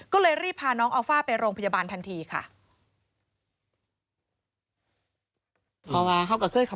ก็เลยรีบพาน้องอัลฟ่าไปโรงพยาบาลทันทีค่ะ